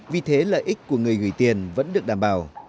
vì thế lợi ích của người gửi tiền vẫn được đảm bảo